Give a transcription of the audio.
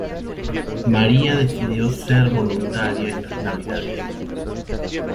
Maria decidió ser voluntaria estas navidades.